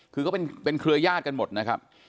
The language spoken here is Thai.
คือก็เป็นเครือยาศกันหมดนะครับ